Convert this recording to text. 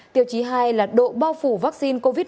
tiêu chí hai là độ bao phủ vaccine covid một mươi chín